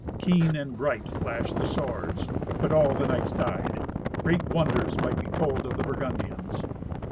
Keen and bright flashed the swords; but all the knights died. Great wonders might be told of the Burgundians.